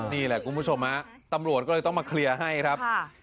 นี่แหละคุณผู้ชมฮะตำรวจก็เลยต้องมาเคลียร์ให้ครับ